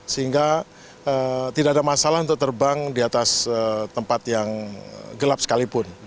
sehingga tidak ada masalah untuk terbang di atas tempat yang gelap sekalipun